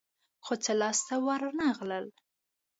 خو څه لاس ته ورنه غلل.